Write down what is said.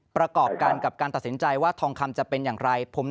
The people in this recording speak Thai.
ประกอบกันกับการตัดสินใจว่าทองคำจะเป็นอย่างไร